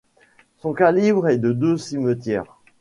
Son calibre est de deux centimètres.